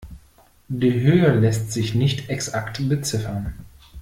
Die Höhe lässt sich nicht exakt beziffern.